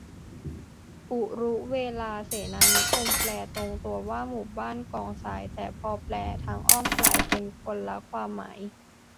อุรุเวลาเสนานิคม แปลตรงตัวว่าหมู่บ้านกองทราย แต่พอแปลทางอ้อมกลายเป็นคนละความหมาย